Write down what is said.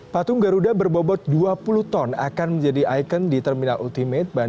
patung garuda berbobot dua puluh ton akan menjadi ikon di terminal ultimate